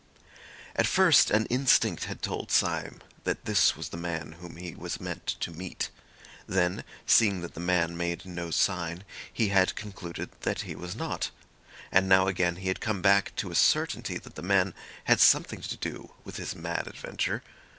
At first an instinct had told Syme that this was the man whom he was meant to meet. Then, seeing that the man made no sign, he had concluded that he was not. And now again he had come back to a certainty that the man had something to do with his mad adventure.